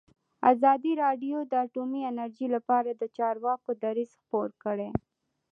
ازادي راډیو د اټومي انرژي لپاره د چارواکو دریځ خپور کړی.